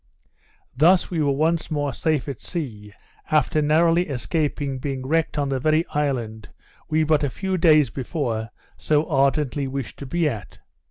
Thus we were once more safe at sea, after narrowly escaping being wrecked on the very island we but a few days before so ardently wished to be at.